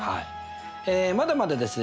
まだまだですね